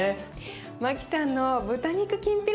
マキさんの豚肉きんぴら